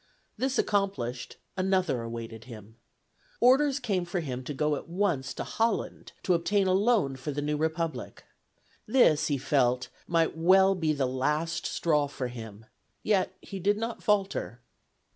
This accomplished, another waited him. Orders came for him to go at once to Holland, to obtain a loan for the new Republic. This, he felt, might well be the last straw for him; yet he did not falter.